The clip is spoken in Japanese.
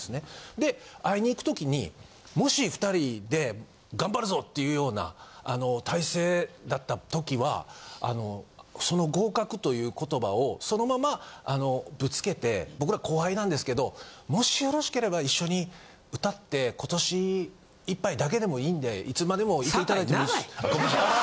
で会いに行く時にもし２人で頑張るぞっていうような態勢だった時はあのその合格という言葉をそのままぶつけて僕ら後輩なんですけどもしよろしければ一緒に歌って今年いっぱいだけでもいいんでいつまでもいていただいてもいいし。